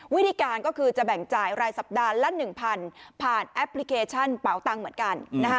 วิธีการก็คือจะแบ่งจ่ายรายสัปดาห์ละ๑๐๐ผ่านแอปพลิเคชันเป๋าตังค์เหมือนกัน